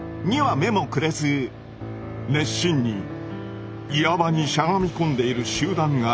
目もくれず熱心に岩場にしゃがみこんでいる集団がいる。